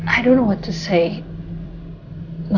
aku gak tahu apa mau bilang